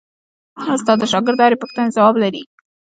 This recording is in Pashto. استاد د شاګرد د هرې پوښتنې ځواب لري.